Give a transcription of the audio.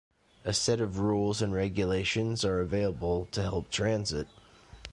A set of rules and regulations are available to help transit.